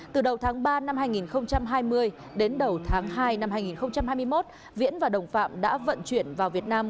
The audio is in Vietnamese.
từ đầu tháng ba năm hai nghìn hai mươi đến đầu tháng hai năm hai nghìn hai mươi một viễn và đồng phạm đã vận chuyển vào việt nam